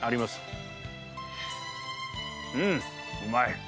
うんうまい！